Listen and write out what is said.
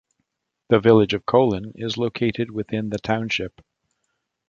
The village of Colon is located within the township.